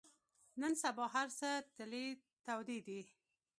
نن سبا هر څه تلې تودې دي.